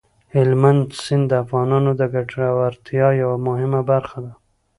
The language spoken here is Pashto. هلمند سیند د افغانانو د ګټورتیا یوه مهمه برخه ده.